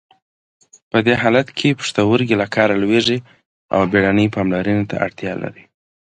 په دې حالت کې پښتورګي له کاره لویږي او بیړنۍ پاملرنې ته اړتیا لري.